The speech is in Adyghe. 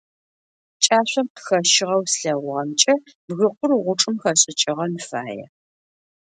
Кӏашъом къыхэщыгъэу слъэгъугъэмкӏэ, бгыкъур гъучӏым хэшӏыкӏыгъэн фае.